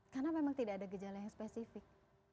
karena memang tidak ada gejala yang spesifik